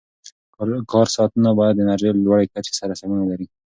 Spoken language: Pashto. کار ساعتونه باید د انرژۍ لوړې کچې سره سمون ولري.